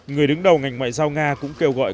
người đứng đầu ngành ngoại giao nga cũng kêu gọi